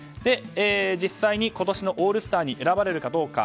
実際に今年のオールスターに選ばれるかどうか。